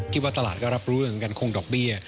คิดว่าตลาดก็รับรู้กับการคงดอกเบี้ย